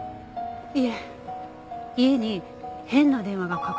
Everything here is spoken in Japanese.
いえ家に変な電話がかかってくるって。